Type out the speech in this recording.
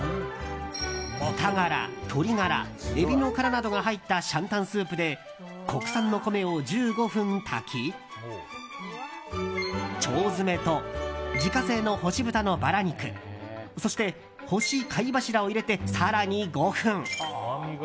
豚ガラ、鶏ガラエビの殻などが入ったシャンタンスープで国産の米を１５分炊き腸詰めと自家製の干し豚のバラ肉そして、干し貝柱を入れて更に５分。